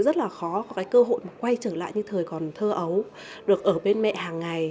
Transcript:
rất là khó có cái cơ hội mà quay trở lại như thời còn thơ ấu được ở bên mẹ hàng ngày